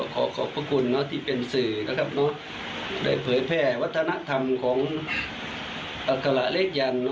ขอบพระคุณที่เป็นสื่อโดยเผยแพร่วัฒนธรรมของอักฬะเลขยันต์